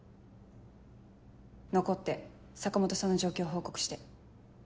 残って坂本さんの状況を報告して。